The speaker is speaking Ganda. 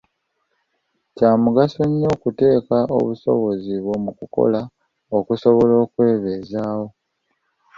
Kya mugaso okuteeka obusobozi bwo mu kukola okusobola okwebezaawo.